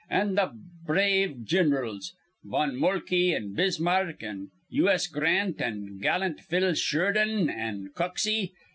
An' th' brave gin'rals, Von Molkey an' Bismarck an' U.S. Grant an' gallant Phil Shurdan an' Coxey.